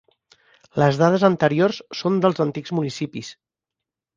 Les dades anteriors són dels antics municipis.